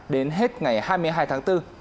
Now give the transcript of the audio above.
đến hết ngày hai mươi hai tháng bốn